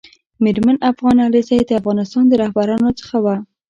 میر افغان علیزی دافغانستان د رهبرانو څخه و